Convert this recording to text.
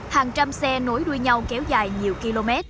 hàng trăm xe nối đuôi nhau kéo dài nhiều km